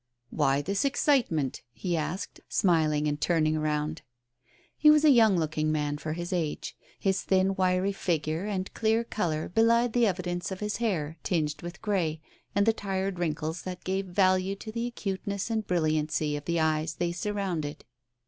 "Why this excitement?" he asked, smiling and turn ing round. He was a young looking man for his age ; his thin wiry figure and clear colour belied the evidence on his hair, tinged with grey, and the tired wrinkles that gave value to the acuteness and brilliancy of the eyes they surrounded.